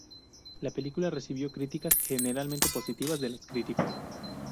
La película recibió críticas generalmente positivas de los críticos.